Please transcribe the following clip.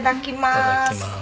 いただきます。